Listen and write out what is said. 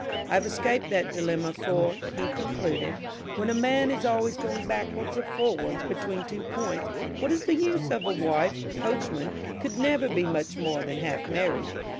I have escaped that dilemma, for," he concluded, "when a man is always going backwards and forwards between two points, what is the use of a wife, a coachman could never be much more than half married.